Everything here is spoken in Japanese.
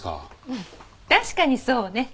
うん確かにそうね。